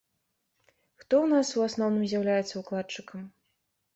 Хто ў нас у асноўным з'яўляецца ўкладчыкам?